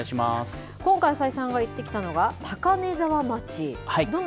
今回、浅井さんが行ってきたのが、高根沢町。